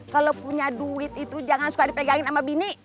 kalau punya duit itu jangan suka dipegangin sama bini